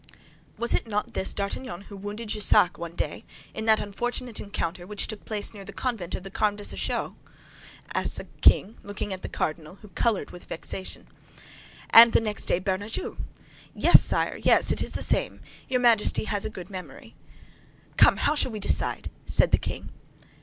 "Was it not this D'Artagnan who wounded Jussac one day, in that unfortunate encounter which took place near the Convent of the Carmes Déchaussés?" asked the king, looking at the cardinal, who colored with vexation. "And the next day, Bernajoux. Yes, sire, yes, it is the same; and your Majesty has a good memory." "Come, how shall we decide?" said the king.